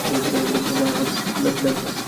বা হাত না-কি ডান?